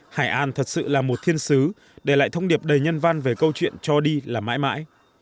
hải an thật sự là một thiên xứ để lại thông điệp đầy nhân văn về câu chuyện cho đi là mãi mãi